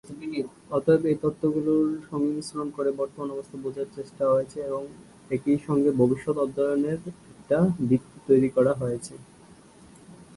অতএব, এই তত্ত্বগুলির সংমিশ্রণ করে বর্তমান অবস্থা বোঝার চেষ্টা হয়েছে এবং একই সঙ্গে ভবিষ্যত অধ্যয়নের একটা ভিত্তি তৈরি করা হয়েছে।